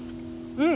うん！